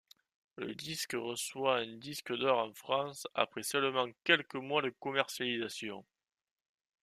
Le disque reçoit un disque d'or en France après seulement quelques mois de commercialisation.